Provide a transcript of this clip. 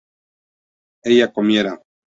ella comiera